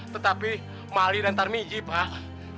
tetapi malik dan tarmizi pak